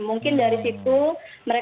yang namanya indonesia fashion gallery